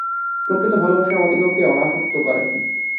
প্রকৃত ভালবাসা আমাদিগকে অনাসক্ত করে।